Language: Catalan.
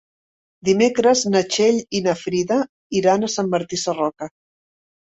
Dimecres na Txell i na Frida iran a Sant Martí Sarroca.